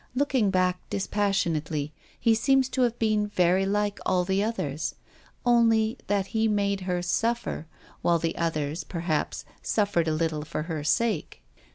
Looking back dis passionately, he seems to have been very like all the others, only that he made her suffer, while the others, perhaps, suffered a little for her sake.